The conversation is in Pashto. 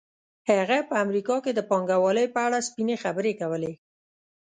هغه په امریکا کې د پانګوالۍ په اړه سپینې خبرې کولې